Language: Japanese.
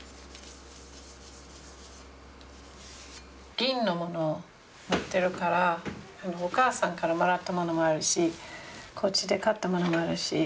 銀のものを持ってるからお母さんからもらったものもあるしこっちで買ったものもあるし。